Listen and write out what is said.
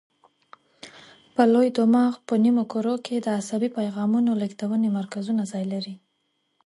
په لوی دماغ په نیمو کرو کې د عصبي پیغامونو لېږدونې مرکزونه ځای لري.